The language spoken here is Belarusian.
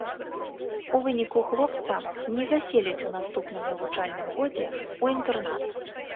У выніку хлопца не заселяць у наступным навучальным годзе ў інтэрнат.